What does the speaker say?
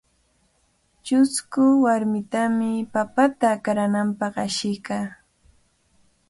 Chusku warmitami papata akrananpaq ashiykaa.